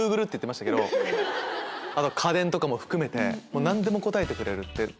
Ｇｏｏｇｌｅって言ってましたけど家電とかも含めて何でも答えてくれるって。